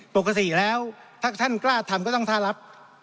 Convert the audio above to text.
ปกติแล้วถ้าท่านกล้าทำก็ต้องท่ารับ